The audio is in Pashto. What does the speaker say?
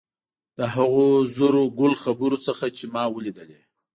د هغو زرو ګل خبرو څخه چې ما ولیدلې.